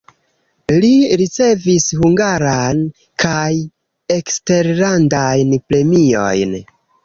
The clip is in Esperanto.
Li ricevis hungaran kaj eksterlandajn premiojn.